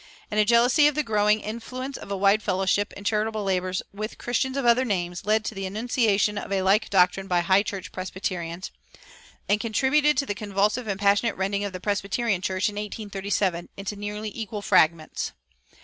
"[407:1] And a jealousy of the growing influence of a wide fellowship, in charitable labors, with Christians of other names, led to the enunciation of a like doctrine by High church Presbyterians,[407:2] and contributed to the convulsive and passionate rending of the Presbyterian Church, in 1837, into nearly equal fragments.